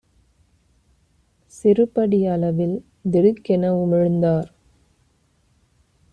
சிறுபடி அளவில் திடுக்கென உமிழ்ந்தார்.